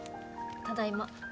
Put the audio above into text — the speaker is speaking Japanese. ただいま。